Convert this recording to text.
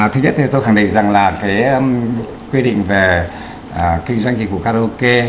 thứ nhất thì tôi khẳng định rằng là cái quyết định về kinh doanh dịch vụ karaoke